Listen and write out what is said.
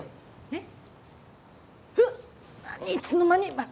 えっ？